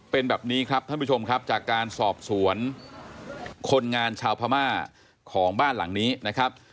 เป็นแบบนี้ครับท่านผู้ชมครับจากการสอบสวนคนงานชาวพม่าของบ้านหลังนี้นะครับ